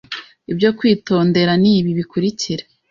Ibyo kwitondera nibi bikurikira